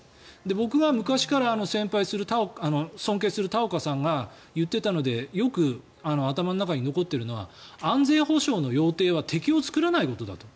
僕が昔から尊敬するタオカさんが言っていたのでよく頭の中に残っているのは安全保障の要諦は敵を作らないことだと。